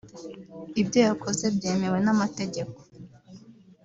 Ibyo yakoze byemewe n’amategeko